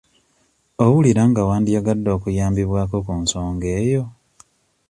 Owulira nga wandiyagadde okuyambibwako ku nsonga eyo?